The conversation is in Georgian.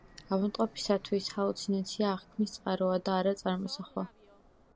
ავადმყოფისათვის ჰალუცინაცია აღქმის წყაროა და არა წარმოსახვა.